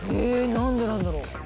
何でなんだろう？